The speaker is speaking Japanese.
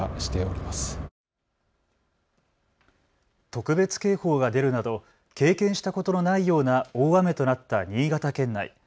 特別警報が出るなど経験したことのないような大雨となった新潟県内。